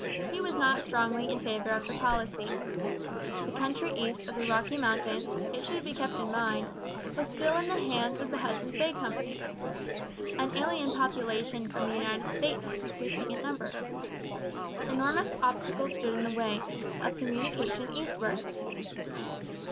He was not strongly in favour of the policy. The country east of the Rocky Mountains, it should be kept in mind, was still in the hands of the Hudson's Bay Company. An alien population from the United States was increasing in number. Enormous obstacles stood in the way of communication eastward.